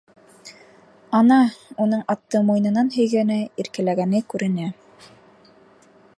Ана, уның атты муйынынан һөйгәне, иркәләгәне күренә.